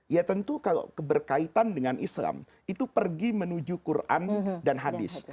ya tentu kalau keberkaitan dengan islam itu pergi menuju quran dan hadis